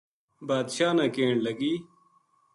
بادشاہ نا کہن لگی